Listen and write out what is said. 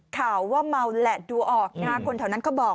ข่าวว่าเมาแหละดูออกนะฮะคนแถวนั้นเขาบอก